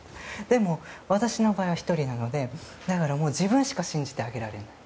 でも、私の場合は１人なので自分しか信じてあげられない。